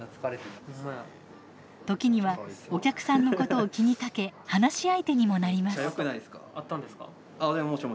時にはお客さんのことを気にかけ話し相手にもなります。